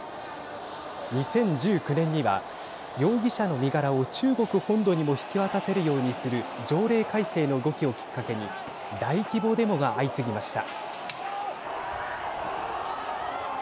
２０１９年には容疑者の身柄を中国本土にも引き渡せるようにする条例改正の動きをきっかけに大規模デモが相次ぎました。